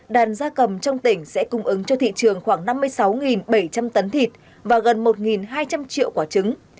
đàn gia cầm trong tỉnh sẽ cung ứng cho thị trường khoảng năm mươi sáu bảy trăm linh tấn thịt và gần một hai trăm linh triệu quả trứng